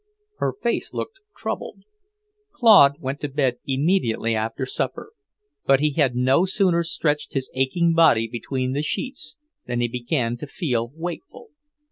Her face looked troubled. Claude went to bed immediately after supper, but he had no sooner stretched his aching body between the sheets than he began to feel wakeful.